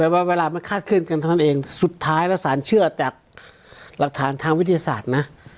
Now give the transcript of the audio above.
ว่าเวลามันคาดขึ้นกันทั้งนั้นเองสุดท้ายแบบสารเชื่อแต่รักฐานทางวิทยาศาสตร์นะ